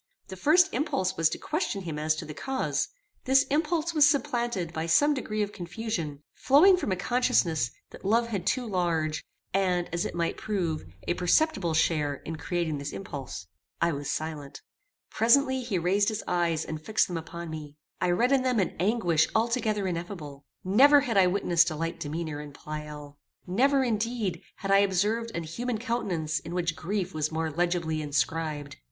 The first impulse was to question him as to the cause. This impulse was supplanted by some degree of confusion, flowing from a consciousness that love had too large, and, as it might prove, a perceptible share in creating this impulse. I was silent. Presently he raised his eyes and fixed them upon me. I read in them an anguish altogether ineffable. Never had I witnessed a like demeanour in Pleyel. Never, indeed, had I observed an human countenance in which grief was more legibly inscribed.